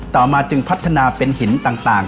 ต่อมาจึงพัฒนาเป็นหินต่าง